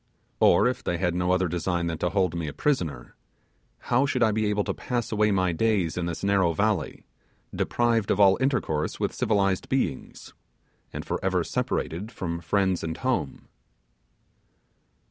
Or, if they had no other design than to hold me a prisoner, how should I be able to pass away my days in this narrow valley, deprived of all intercourse with civilized beings, and for ever separated from friends and home?